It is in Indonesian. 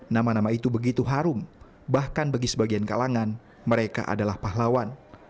nama nama itu begitu harum bahkan bagi sebagian kalangan mereka adalah pahlawan